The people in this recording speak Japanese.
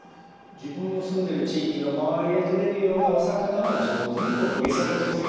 自分の住んでる地域の周りで取れるようなお魚を上手に取り入れていくとこういうイメージ？